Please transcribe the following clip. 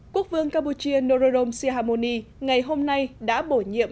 quốc vương campuchia nororom sehamoni ngày hôm nay đã bổ nhiệm